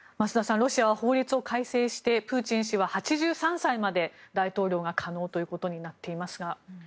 ロシアは法律を改正してプーチン氏は８３歳まで大統領が可能ということになっていますが。